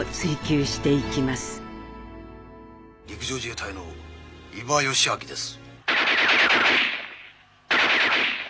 陸上自衛隊の伊庭義明です。